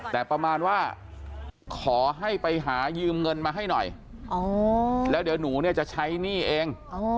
แต่ประมาณว่าขอให้ไปหายืมเงินมาให้หน่อยแล้วเดี๋ยวหนูเนี่ยจะใช้หนี้เอง